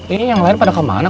ini yang lain pada kemana